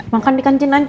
makan di kantin aja